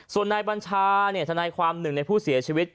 ส่วนนายบัญชาธนายความหนึ่งในผู้เสียชีวิต